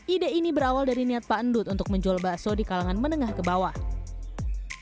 ide ini berawal dari niat pak endut untuk menjual bakso di kalangan menengah ke bawah